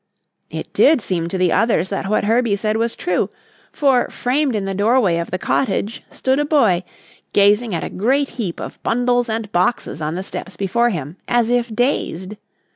It did seem to the others that what Herbie said was true, for, framed in the doorway of the cottage stood a boy, gazing at a great heap of bundles and boxes on the steps before him as if dazed.